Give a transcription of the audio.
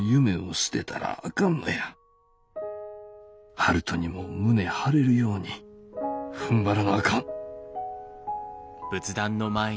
悠人にも胸張れるように踏んばらなあかん」。